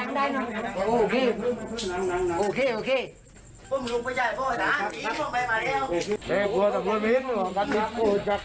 แมวแมวแมวพี่ไม่ชั่วพ่อแมวพ่อ